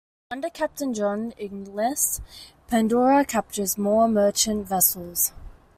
Under Captain John Inglis "Pandora" captured more merchant vessels.